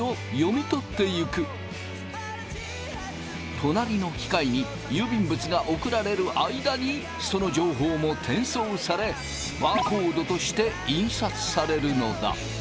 隣の機械に郵便物が送られる間にその情報も転送されバーコードとして印刷されるのだ。